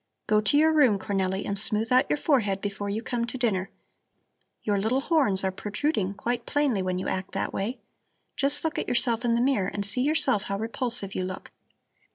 "Go to your room, Cornelli, and smooth out your forehead before you come to dinner. Your little horns are protruding quite plainly when you act that way. Just look at yourself in the mirror and see yourself how repulsive you look.